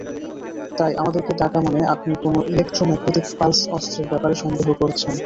তাই, আমাদেরকে ডাকা মানে আপনি কোনও ইলেক্ট্রো ম্যাগনেটিক পালস অস্ত্রের ব্যাপারে সন্দেহ করছেন!